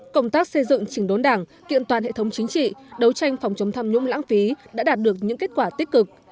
công tác xây dựng trình đốn đảng kiện toàn hệ thống chính trị đấu tranh phòng chống tham nhũng lãng phí đã đạt được những kết quả tích cực